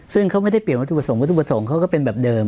ซึ่งเขาไม่ได้เปลี่ยนวัตถุสงวัตถุประสงค์เขาก็เป็นแบบเดิม